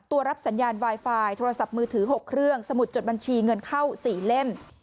ตัวรับสัญญาณไวไฟโทรศัพท์มือถือ๖เครื่องสมุดจดบัญชีเงินเข้า๔เล่ม